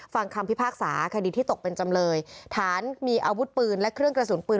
ฟังคำพิพากษาคดีที่ตกเป็นจำเลยฐานมีอาวุธปืนและเครื่องกระสุนปืน